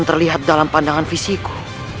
ternyata seperti itu